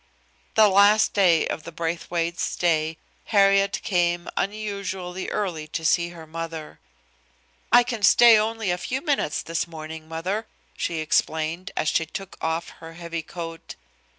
The last day of the Braithwaites' stay Harriet came unusually early to see her mother. "I can stay only a few minutes this morning, mother," she explained, as she took off her heavy coat.